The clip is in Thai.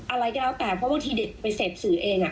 อะไรก็แล้วแต่เพราะบางทีเด็กไปเสพสื่อเอง